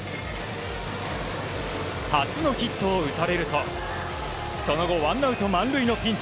初のヒットを打たれるとその後、ワンアウト満塁のピンチ。